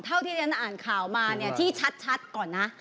เท่าที่เรียนอ่านข่าวมาที่ชัดก่อนนะ